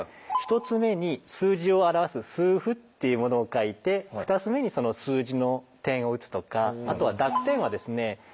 １つ目に数字を表す数符っていうものを書いて２つ目にその数字の点を打つとかあとは濁点はですね